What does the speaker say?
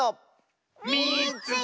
「みいつけた！」。